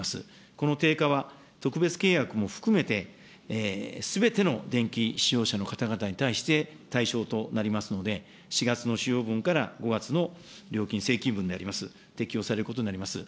この低下は、特別契約も含めて、すべての電気使用者の方々に対しまして、対象となりますので、４月の使用分から５月の料金請求分であります、適用されることになります。